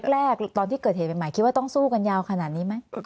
แรกตอนที่เกิดเหตุใหม่คิดว่าต้องสู้กันยาวขนาดนี้ไหม